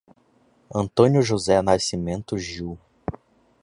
Antônio José Nascimento Gil